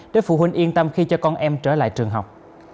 để phụ huynh yên tâm khi cho con em trở lại trường học